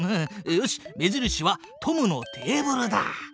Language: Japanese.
よし目印はトムのテーブルだ！